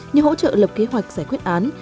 như hỗ trợ lập kế hoạch giải quyết án